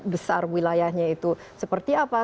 besar wilayahnya itu seperti apa